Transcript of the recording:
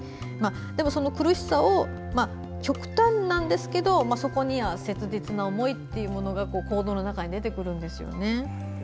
でも、その苦しさを極端なんですけどそこには切実な思いが行動の中に出てくるんですよね。